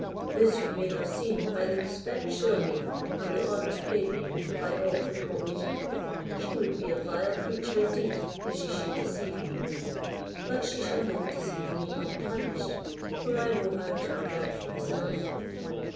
This you may have seen by the respect shewn, and the honours paid, me by all her court. She would be a vile creature indeed, if she should deceive me; but she shall not deceive me unpunished, for I know how to revenge myself."